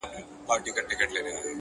• صحرايي ویل موچي درته وهمه,